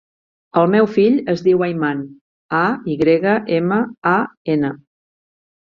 El meu fill es diu Ayman: a, i grega, ema, a, ena.